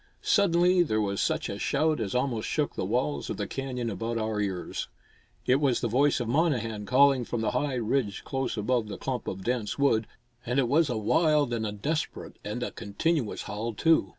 Suddenly there was such a shout as almost shook the walls of the canyon about our ears. It was the voice of Monnehan calling from the high ridge close above the clump of dense wood; and it was a wild and a desperate and a continuous howl, too.